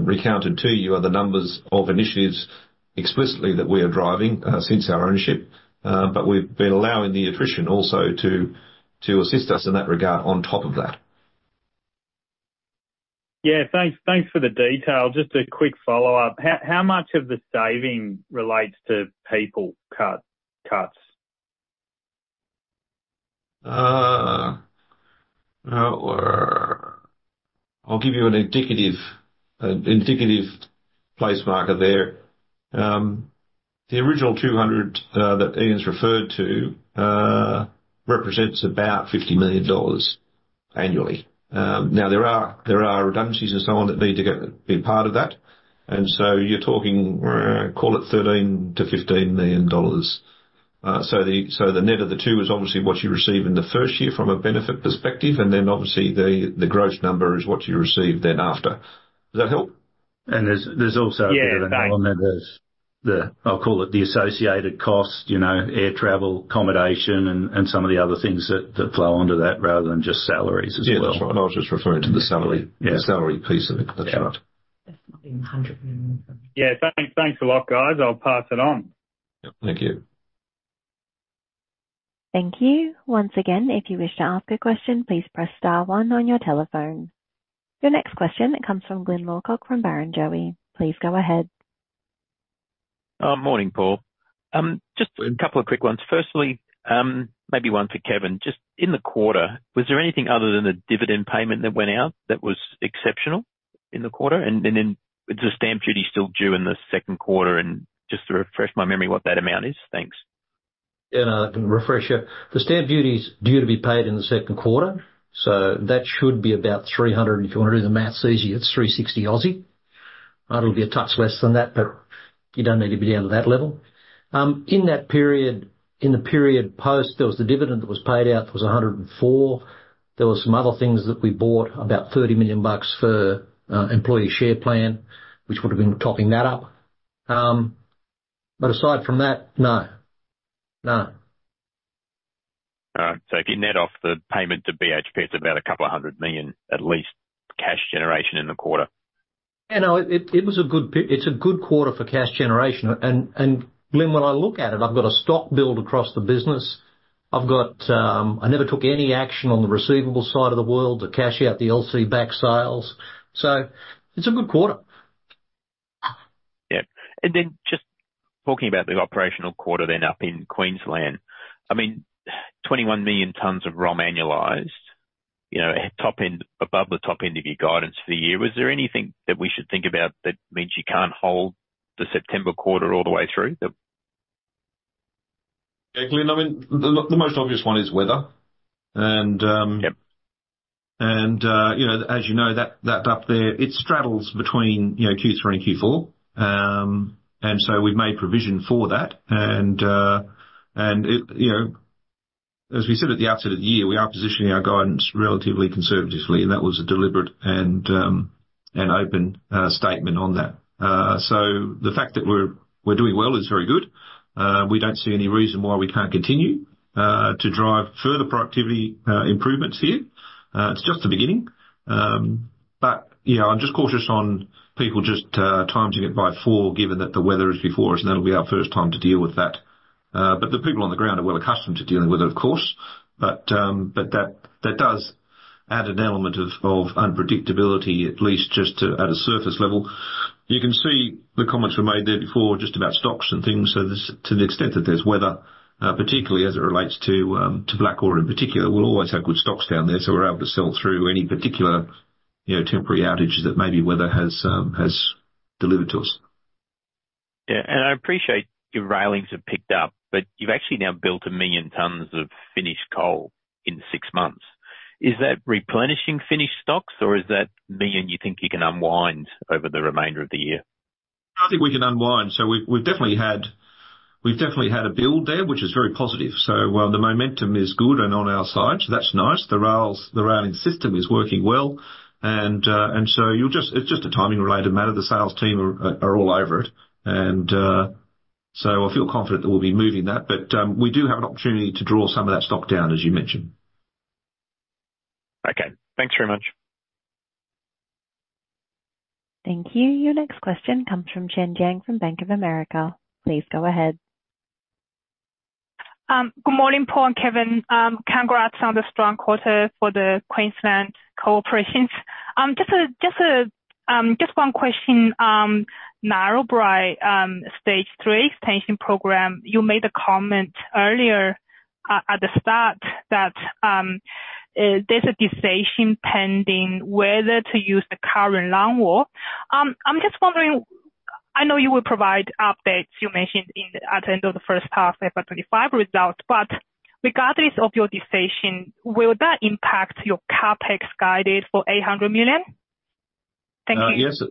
recounted to you are the numbers of initiatives explicitly that we are driving since our ownership. But we've been allowing the attrition also to assist us in that regard on top of that. Yeah. Thanks, thanks for the detail. Just a quick follow-up. How much of the saving relates to people cuts? I'll give you an indicative place marker there. The original 200 that Ian's referred to represents about 50 million dollars annually. Now, there are redundancies and so on that need to be a part of that, and so you're talking call it 13-15 million dollars. So, the net of the two is obviously what you receive in the first year from a benefit perspective, and then obviously the gross number is what you receive then after. Does that help? And there's also- Yeah, thanks. There's the, I'll call it, the associated cost, you know, air travel, accommodation, and some of the other things that flow onto that, rather than just salaries as well. Yeah, that's right. I was just referring to the salary- Yeah. The salary piece of it. That's right. Hundred million. Yeah. Thanks. Thanks a lot, guys. I'll pass it on. Yeah. Thank you. Thank you. Once again, if you wish to ask a question, please press star one on your telephone. Your next question comes from Glyn Lawcock from Barrenjoey. Please go ahead. Morning, Paul. Just a couple of quick ones. Firstly, maybe one for Kevin. Just in the quarter, was there anything other than the dividend payment that went out that was exceptional in the quarter? And then is the stamp duty still due in the second quarter, and just to refresh my memory, what that amount is? Thanks. Yeah, I can refresh you. The stamp duty is due to be paid in the second quarter, so that should be about 300 million, if you want to do the math it's easy, it's 360 million. It'll be a touch less than that, but you don't need to be down to that level. In that period, in the period post, there was the dividend that was paid out, it was 104 million. There were some other things that we bought, about 30 million bucks for employee share plan, which would have been topping that up. But aside from that, no. No. All right. So if you net off the payment to BHP, it's about a couple of hundred million, at least, cash generation in the quarter. It was a good quarter for cash generation. Glyn, when I look at it, I've got a stock build across the business. I never took any action on the receivable side of the world to cash out the LC back sales. It's a good quarter. Yeah. And then just talking about the operational quarter, then, up in Queensland. I mean, 21 million tons of ROM annualized, you know, top end, above the top end of your guidance for the year. Was there anything that we should think about that means you can't hold the September quarter all the way through the- Yeah, Glyn, I mean, the most obvious one is weather. Yep. And, you know, as you know, that up there, it straddles between, you know, Q3 and Q4. And so we've made provision for that. You know, as we said at the outset of the year, we are positioning our guidance relatively conservatively, and that was a deliberate and open statement on that, so the fact that we're doing well is very good. We don't see any reason why we can't continue to drive further productivity improvements here. It's just the beginning, but yeah, I'm just cautious on people just timing it by fall, given that the weather is before us, and that'll be our first time to deal with that, but the people on the ground are well accustomed to dealing with it, of course, but that does add an element of unpredictability, at least just to a surface level. You can see the comments were made there before just about stocks and things. So this, to the extent that there's weather, particularly as it relates to Blackwater in particular, we'll always have good stocks down there, so we're able to sell through any particular, you know, temporary outages that maybe weather has delivered to us. Yeah, and I appreciate your railings have picked up, but you've actually now built a million tons of finished coal in six months. Is that replenishing finished stocks, or is that meaning you think you can unwind over the remainder of the year? I think we can unwind. We've definitely had a build there, which is very positive. The momentum is good and on our side, so that's nice. The rails, the railing system is working well. And it's just a timing related matter. The sales team are all over it. And so I feel confident that we'll be moving that, but we do have an opportunity to draw some of that stock down, as you mentioned. Okay. Thanks very much. Thank you. Your next question comes from Chen Jiang from Bank of America. Please go ahead. Good morning, Paul and Kevin. Congrats on the strong quarter for the Queensland operations. Just one question, Narrabri Stage 3 expansion program. You made a comment earlier at the start that there's a decision pending whether to use the current longwall. I'm just wondering, I know you will provide updates, you mentioned at the end of the first half of the 2025 results, but regardless of your decision, will that impact your CapEx guidance for 800 million? Thank you. Yes.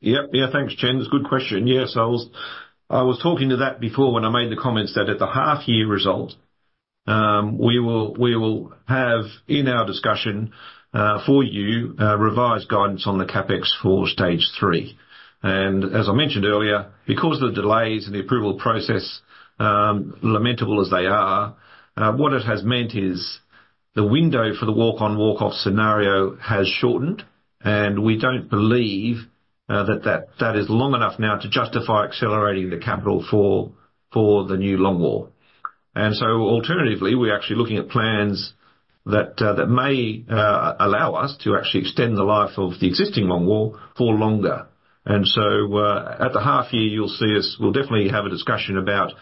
Yep. Yeah, thanks, Chen. That's a good question. Yes, I was talking to that before when I made the comments that at the half-year result, we will have in our discussion for you revised guidance on the CapEx for stage three. And as I mentioned earlier, because of the delays in the approval process, lamentable as they are, what it has meant is the window for the walk-on, walk-off scenario has shortened, and we don't believe that is long enough now to justify accelerating the capital for the new longwall. And so alternatively, we're actually looking at plans that may allow us to actually extend the life of the existing longwall for longer. And so, at the half year, you'll see us. We'll definitely have a discussion about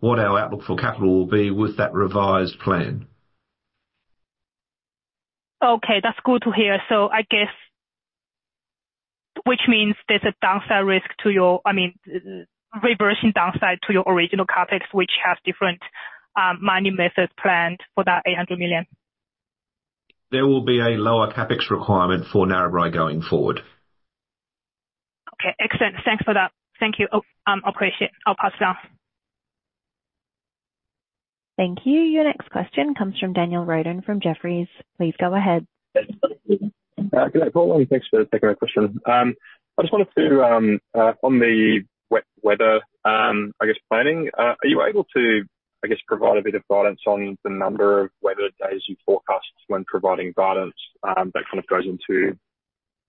what our outlook for capital will be with that revised plan. Okay, that's good to hear. So I guess, which means there's a downside risk to your-- I mean, reversing downside to your original CapEx, which has different, mining methods planned for that 800 million. There will be a lower CapEx requirement for Narrabri going forward. Okay, excellent. Thanks for that. Thank you. I'll appreciate it. I'll pass now. Thank you. Your next question comes from Daniel Morgan, from Jefferies. Please go ahead. Good day, Paul, and thanks for taking my question. I just wanted to, on the weather planning, are you able to, I guess, provide a bit of guidance on the number of weather days you forecast when providing guidance that kind of goes into,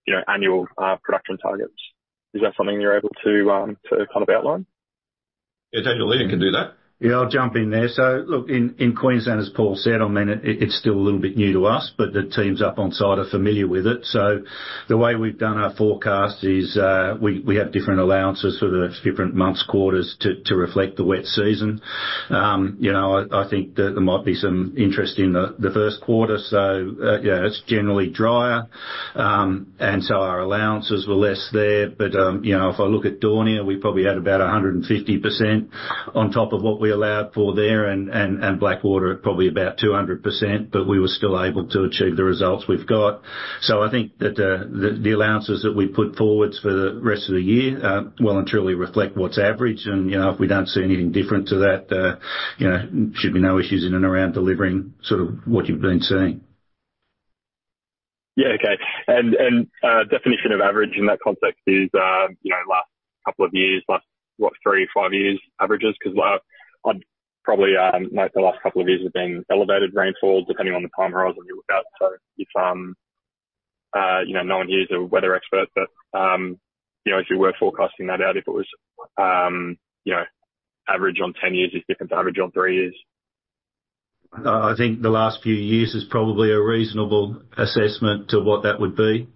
you know, annual production targets? Is that something you're able to kind of outline? Yeah, Daniel, Ian can do that. Yeah, I'll jump in there. So look, in Queensland, as Paul said, I mean, it's still a little bit new to us, but the teams up on site are familiar with it. So the way we've done our forecast is, we have different allowances for the different months, quarters to reflect the wet season. You know, I think that there might be some interest in the first quarter, so yeah, it's generally drier. And so our allowances were less there. But you know, if I look at Daunia, we probably had about 150% on top of what we allowed for there, and Blackwater, probably about 200%, but we were still able to achieve the results we've got. I think that the allowances that we put forward for the rest of the year well and truly reflect what's average. You know, if we don't see anything different to that, you know, should be no issues in and around delivering sort of what you've been seeing. Yeah, okay. And definition of average in that context is, you know, last couple of years, like, what, three, five years averages? 'Cause, I'd probably note the last couple of years have been elevated rainfalls, depending on the time I was on your lookout. So if, you know, no one here is a weather expert, but, you know, if you were forecasting that out, if it was, you know, average on ten years is different to average on three years. I think the last few years is probably a reasonable assessment to what that would be.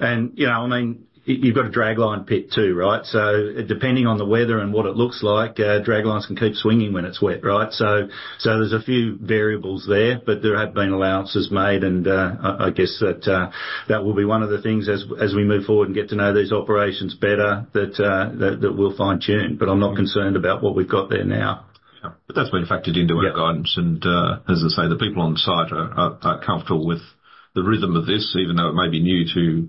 And, you know, I mean, you've got a dragline pit too, right? So depending on the weather and what it looks like, draglines can keep swinging when it's wet, right? So there's a few variables there, but there have been allowances made, and I guess that that will be one of the things as we move forward and get to know these operations better, that that we'll fine-tune. But I'm not concerned about what we've got there now. But that's been factored into our guidance, and, as I say, the people on site are comfortable with the rhythm of this, even though it may be new to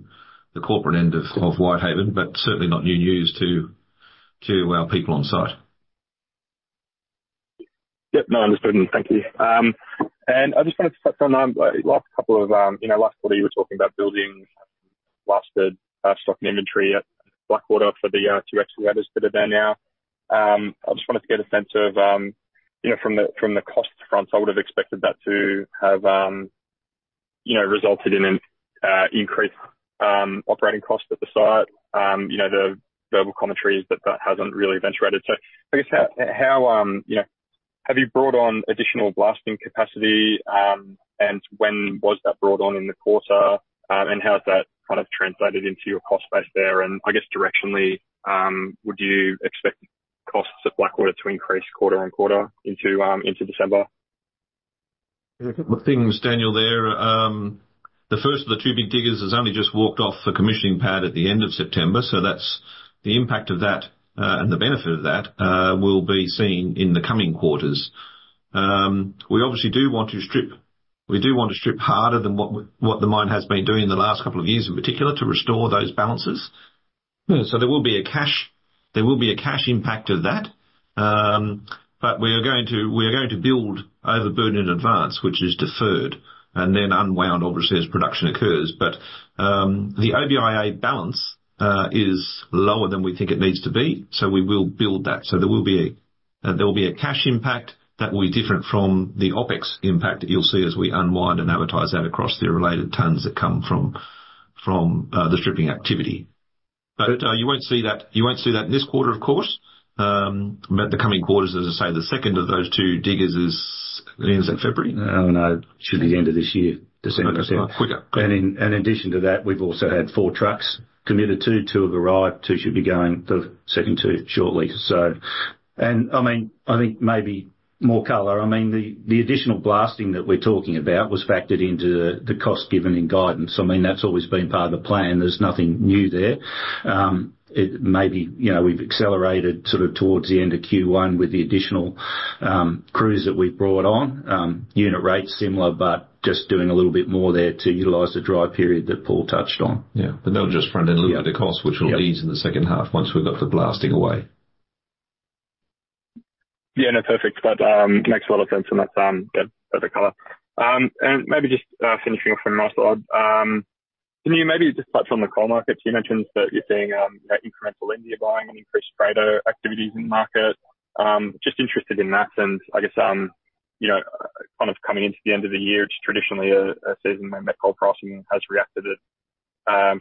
the corporate end of Whitehaven, but certainly not new news to our people on site. Yep, no, understood. Thank you. And I just wanted to touch on last couple of, you know, last quarter, you were talking about building last stock and inventory at Blackwater for the two excavators that are there now. I just wanted to get a sense of, you know, from the, from the cost front, I would have expected that to have you know, resulted in an increased operating cost at the site. You know, the verbal commentary is that that hasn't really eventuated. So I guess how, how, you know, have you brought on additional blasting capacity? And when was that brought on in the quarter? And how has that kind of translated into your cost base there? I guess directionally, would you expect costs at Blackwater to increase quarter on quarter into December? Look things, Daniel, there, the first of the two big diggers has only just walked off the commissioning pad at the end of September, so that's the impact of that, and the benefit of that, will be seen in the coming quarters. We obviously do want to strip. We do want to strip harder than what the mine has been doing in the last couple of years, in particular, to restore those balances. So there will be a cash, there will be a cash impact of that. But we are going to, we are going to build overburden in advance, which is deferred, and then unwound, obviously, as production occurs. But, the OBIA balance is lower than we think it needs to be, so we will build that. So there will be a cash impact that will be different from the OpEx impact that you'll see as we unwind and advertise that across the related tons that come from the stripping activity. But you won't see that this quarter, of course, but the coming quarters, as I say, the second of those two diggers is... ends in February? Oh, no. Should be end of this year. December. Quicker. In addition to that, we've also had four trucks committed. Two have arrived, two should be going, the second two shortly. And I mean, I think maybe more color. I mean, the additional blasting that we're talking about was factored into the cost given in guidance. I mean, that's always been part of the plan. There's nothing new there. It maybe, you know, we've accelerated sort of towards the end of Q1 with the additional crews that we've brought on. Unit rates similar, but just doing a little bit more there to utilize the dry period that Paul touched on. Yeah, but they'll just front end a little bit of cost, which will ease in the second half once we've got the blasting away. Yeah, no, perfect, but makes a lot of sense and that's good, better color, and maybe just finishing off, can you maybe just touch on the coal markets? You mentioned that you're seeing that incremental India buying and increased trader activities in the market. Just interested in that, and I guess, you know, kind of coming into the end of the year, it's traditionally a season where met coal pricing has reacted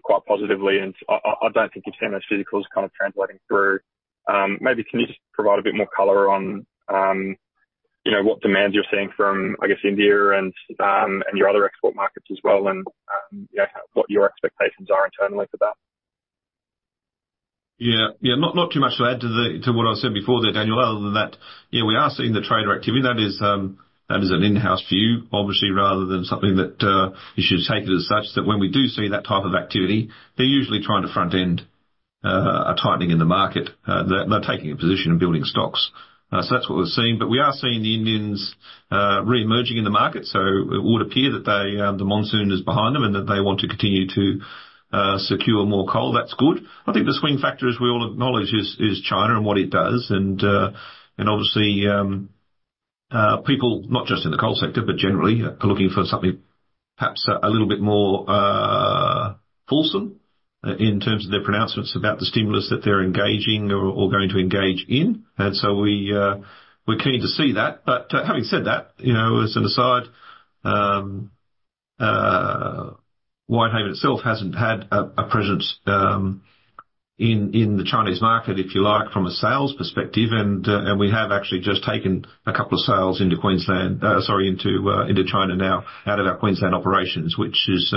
quite positively, and I don't think you've seen those signals kind of translating through. Maybe can you just provide a bit more color on, you know, what demands you're seeing from, I guess, India and your other export markets as well, and you know, what your expectations are internally for that? Yeah. Yeah, not too much to add to what I said before there, Daniel, other than that, yeah, we are seeing the trader activity. That is, that is an in-house view, obviously, rather than something that you should take it as such, that when we do see that type of activity, they're usually trying to front end a tightening in the market. They're taking a position and building stocks. So that's what we're seeing. But we are seeing the Indians reemerging in the market, so it would appear that they, the monsoon is behind them, and that they want to continue to secure more coal. That's good. I think the swing factor, as we all acknowledge, is China and what it does. Obviously, people not just in the coal sector but generally are looking for something perhaps a little bit more fulsome in terms of their pronouncements about the stimulus that they're engaging or going to engage in. We're keen to see that. Having said that, you know, as an aside, Whitehaven itself hasn't had a presence in the Chinese market, if you like, from a sales perspective. We have actually just taken a couple of sales into Queensland, sorry, into China now, out of our Queensland operations, which is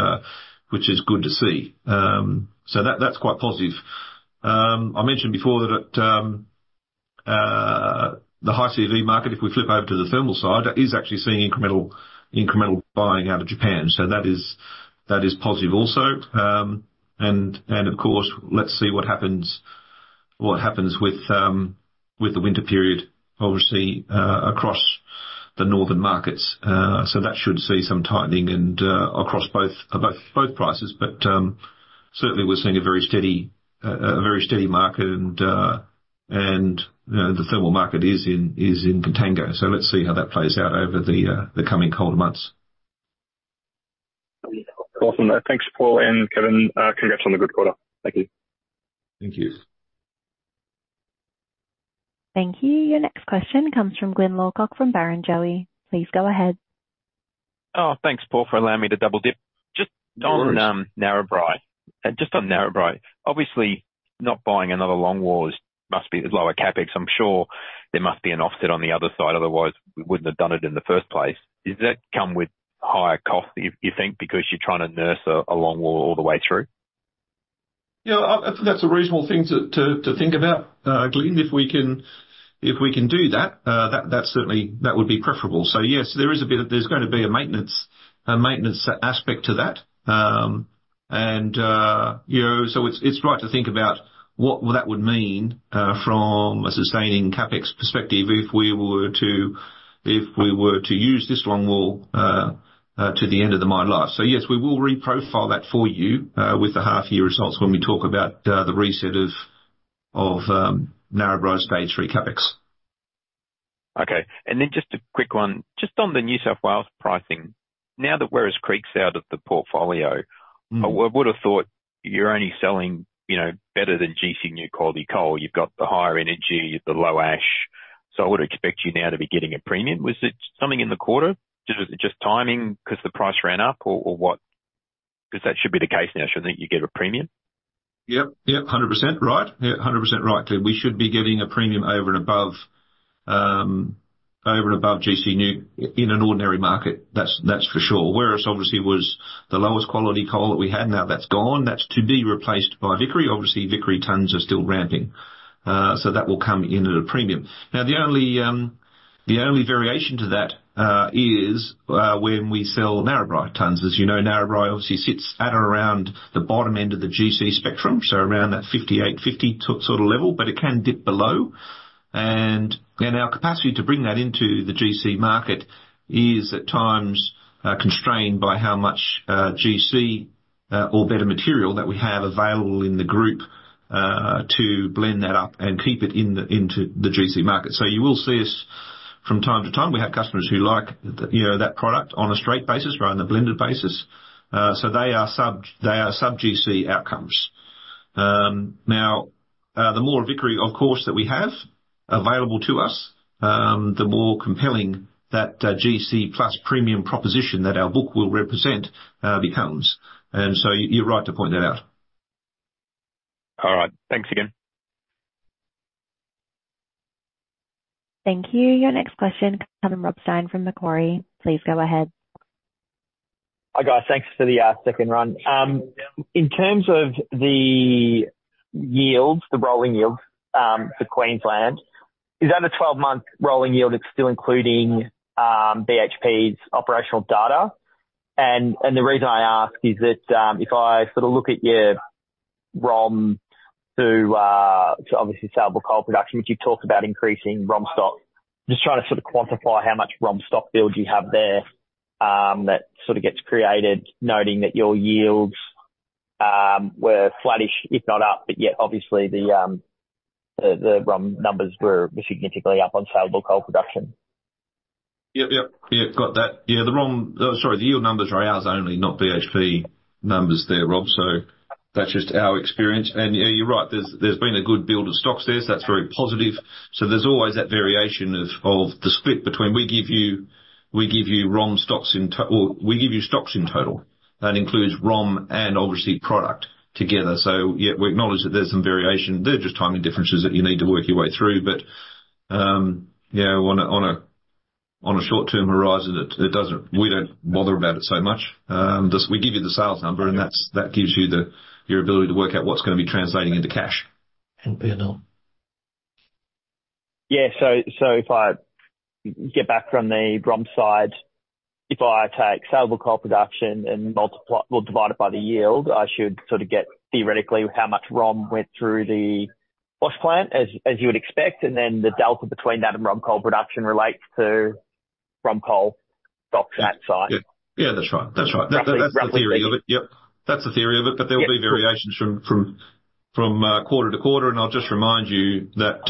good to see. That's quite positive. I mentioned before that at the high CV market, if we flip over to the thermal side, that is actually seeing incremental buying out of Japan, so that is positive also, and of course, let's see what happens with the winter period, obviously, across the northern markets, so that should see some tightening across both prices, but certainly we're seeing a very steady market and, you know, the thermal market is in contango, so let's see how that plays out over the coming colder months. Awesome. Thanks, Paul and Kevin. Congrats on the good quarter. Thank you. Thank you. Thank you. Your next question comes from Glyn Lawcock, from Barrenjoey. Please go ahead. Oh, thanks, Paul, for allowing me to double-dip. Of course. Just on Narrabri. Obviously, not buying another longwall must be as lower CapEx. I'm sure there must be an offset on the other side, otherwise we wouldn't have done it in the first place. Does that come with higher cost, do you think, because you're trying to nurse a longwall all the way through? Yeah, that's a reasonable thing to think about, Glenn. If we can do that, that certainly would be preferable. So yes, there is a bit of- there's going to be a maintenance aspect to that. And you know, so it's right to think about what that would mean from a sustaining CapEx perspective if we were to use this longwall to the end of the mine life. So yes, we will reprofile that for you with the half-year results when we talk about the reset of Narrabri Stage 3 CapEx. Okay. And then just a quick one, just on the New South Wales pricing. Now that Werris Creek's out of the portfolio- Mm-hmm. I would've thought you're only selling, you know, better than GC NEWC quality coal. You've got the higher energy, the low ash.... So I would expect you now to be getting a premium. Was it something in the quarter? Just, just timing because the price ran up or, or what? Because that should be the case now, shouldn't you, get a premium? Yep, yep, 100% right. Yeah, 100% right, Cliff. We should be getting a premium over and above, over and above GC NEWC in an ordinary market. That's, that's for sure. Whereas obviously was the lowest quality coal that we had. Now that's gone. That's to be replaced by Vickery. Obviously, Vickery tonnes are still ramping, so that will come in at a premium. Now, the only, the only variation to that, is, when we sell Narrabri tonnes. As you know, Narrabri obviously sits at or around the bottom end of the GC spectrum, so around that 58, 50 sort of level, but it can dip below. Our capacity to bring that into the GC market is at times constrained by how much GC or better material that we have available in the group to blend that up and keep it into the GC market. So you will see us from time to time. We have customers who like, you know, that product on a straight basis rather than a blended basis. So they are sub GC outcomes. Now, the more Vickery, of course, that we have available to us, the more compelling that GC plus premium proposition that our book will represent becomes. And so you're right to point that out. All right. Thanks again. Thank you. Your next question comes from Rob Stein, from Macquarie. Please go ahead. Hi, guys. Thanks for the second run. In terms of the yields, the rolling yields, for Queensland, is that a twelve-month rolling yield that's still including BHP's operational data? And the reason I ask is that, if I sort of look at your ROM through to obviously saleable coal production, which you talked about increasing ROM stock, just trying to sort of quantify how much ROM stock build you have there, that sort of gets created, noting that your yields were flattish, if not up, but yet obviously the ROM numbers were significantly up on saleable coal production. Yep, yep. Yeah, got that. Yeah, the ROM... Sorry, the yield numbers are ours only, not BHP numbers there, Rob, so that's just our experience. And, yeah, you're right. There's been a good build of stocks there, so that's very positive. So there's always that variation of the split between we give you ROM stocks in to- or we give you stocks in total. That includes ROM and obviously product together. So yeah, we acknowledge that there's some variation. They're just timing differences that you need to work your way through. But, you know, on a short-term horizon, it doesn't-- we don't bother about it so much. Just we give you the sales number, and that's that gives you your ability to work out what's going to be translating into cash, you know? Yeah. So, so if I get back from the ROM side, if I take saleable coal production and multiply... well, divide it by the yield, I should sort of get theoretically how much ROM went through the wash plant, as, as you would expect, and then the delta between that and ROM coal production relates to ROM coal stock at site. Yeah. Yeah, that's right. That's right. That's- That's the theory of it. Yep, that's the theory of it. Yep. But there will be variations from quarter to quarter, and I'll just remind you that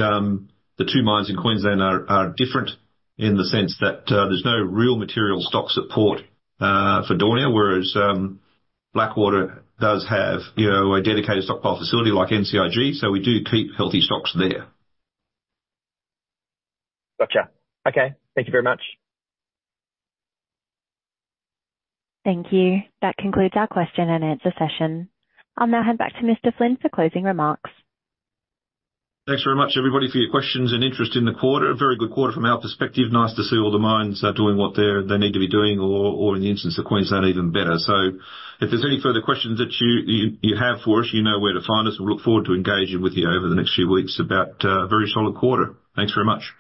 the two mines in Queensland are different in the sense that there's no real material stock support for Daunia, whereas Blackwater does have, you know, a dedicated stockpile facility like NCIG, so we do keep healthy stocks there. Gotcha. Okay. Thank you very much. Thank you. That concludes our question and answer session. I'll now hand back to Mr. Flynn for closing remarks. Thanks very much, everybody, for your questions and interest in the quarter. A very good quarter from our perspective. Nice to see all the mines are doing what they need to be doing or in the instance of Queensland, even better. So, if there's any further questions that you have for us, you know where to find us. We look forward to engaging with you over the next few weeks about a very solid quarter. Thanks very much.